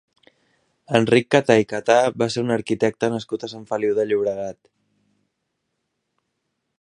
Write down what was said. Enric Catà i Catà va ser un arquitecte nascut a Sant Feliu de Llobregat.